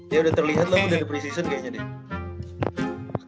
dia udah terlihat lo udah di preseason kayaknya deh